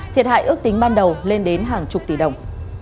thiệt hại ước tính ban đầu lên đến hàng chục tỷ đồng